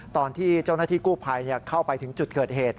ตอนที่เจ้าหน้าที่กู้ภัยเข้าไปถึงจุดเกิดเหตุ